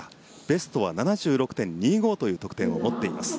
ベストは７６．２５という得点を持っています。